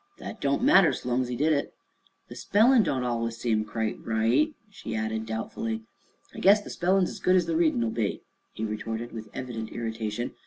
"That don't matter, so long's he did it." "The spellin' don't allus seem quite right," she added doubtfully. "I guess the spellin's as good as the readin'll be," he retorted, with evident irritation.